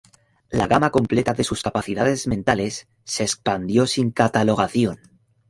La gama completa de sus capacidades mentales se expandió sin catalogación.